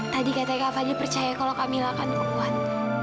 tadi kata kak fadil percaya kalau kak mila akan kuat